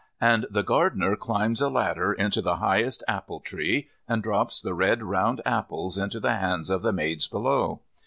And the gardener climbs a ladder into the highest apple tree and drops the red round apples into the hands of the maids below.